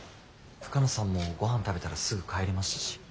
深野さんもごはん食べたらすぐ帰りましたし。